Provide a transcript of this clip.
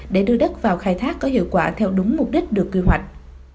để đưa đất vào khai thác có hiệu quả theo đúng mục đích được quy hoạch